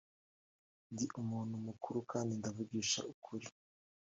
ndi umuntu mukuru kandi ndavugisha ukuri